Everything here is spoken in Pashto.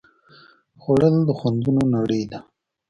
خوړل د خوندونو نړۍ ده